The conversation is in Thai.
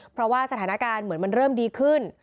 เพราะว่าสถานการณ์เหมือนมันเริ่มดีขึ้น